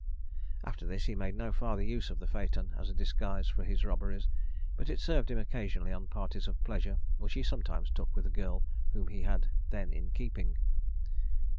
After this, he made no farther use of the phaeton as a disguise for his robberies; but it served him occasionally on parties of pleasure, which he sometimes took with a girl whom he had then in keeping.